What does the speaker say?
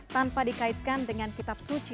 tanpa dikaitkan dengan kitab suci